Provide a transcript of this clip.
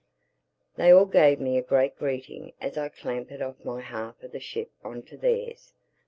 THEY all gave me a great greeting as I clambered off my half of the ship on to theirs.